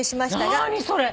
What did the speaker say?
何それ！？